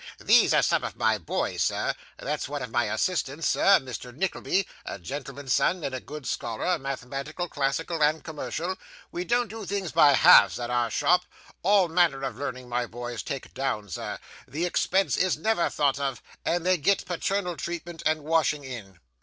These are some of my boys, sir; that's one of my assistants, sir Mr. Nickleby, a gentleman's son, and a good scholar, mathematical, classical, and commercial. We don't do things by halves at our shop. All manner of learning my boys take down, sir; the expense is never thought of; and they get paternal treatment and washing in.